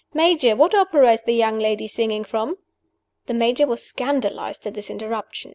Major! what opera is the young lady singing from?" The Major was scandalized at this interruption.